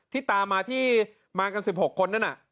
ที่ตามมากันที่๑๖คน